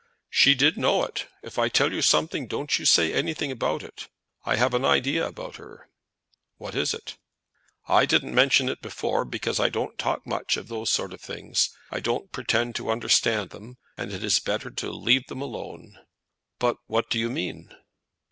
"She did know it. If I tell you something don't you say anything about it. I have an idea about her." "What is it?" "I didn't mention it before, because I don't talk much of those sort of things. I don't pretend to understand them, and it is better to leave them alone." "But what do you mean?"